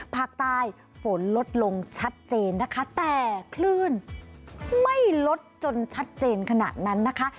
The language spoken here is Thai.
ภาคใต้ฝนลดลงชัดเจนนะคะแต่คลื่นไม่ลดจนชัดเจนขนาดนั้นนะคะ